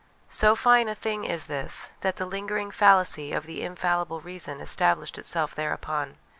So fine a thing is this, that the lingering fallacy of the infallible reason established itself thereupon.